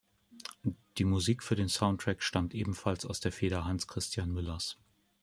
Die Musik für den Soundtrack stammt ebenfalls aus der Feder Hanns Christian Müllers.